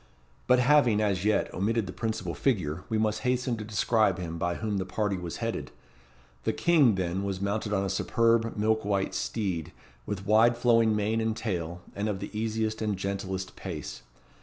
But having, as yet, omitted the principal figure, we must hasten to describe him by whom the party was headed. The King, then, was mounted on a superb milk white steed, with wide flowing mane and tail, and of the easiest and gentlest pace.